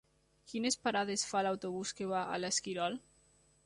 Quines parades fa l'autobús que va a l'Esquirol?